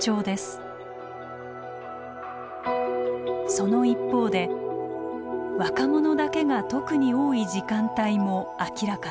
その一方で若者だけが特に多い時間帯も明らかに。